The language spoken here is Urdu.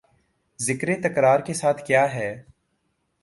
ذکر تکرار کے ساتھ کیا ہے